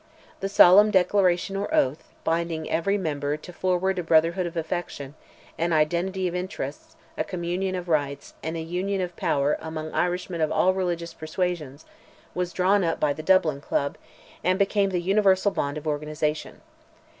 The solemn declaration or oath, binding every member "to forward a brotherhood of affection, an identity of interests, a communion of rights, and a union of power among Irishmen of all religious persuasions," was drawn up by the Dublin club, and became the universal bond of organization.